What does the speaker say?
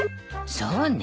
そうね。